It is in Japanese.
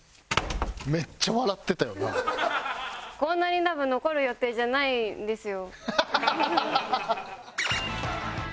こんなに多分残る予定じゃないんですよ。